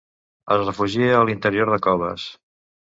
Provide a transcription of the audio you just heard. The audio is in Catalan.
Es refugia a l'interior de coves.